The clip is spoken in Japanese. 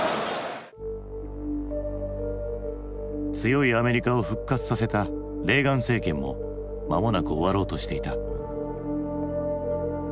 強いアメリカを復活させたレーガン政権もまもなく終わろうとしていた。